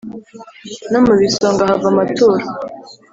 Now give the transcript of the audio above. No mu bisonga hava amaturo